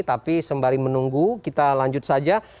tapi sembari menunggu kita lanjut saja